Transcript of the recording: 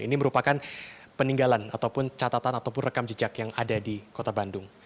ini merupakan peninggalan ataupun catatan ataupun rekam jejak yang ada di kota bandung